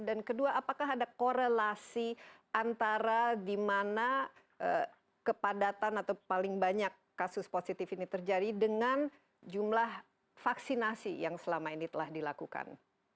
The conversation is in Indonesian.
dan kedua apakah ada korelasi antara di mana kepadatan atau paling banyak kasus positif ini terjadi dengan jumlah vaksinasi yang selama ini telah dilakukan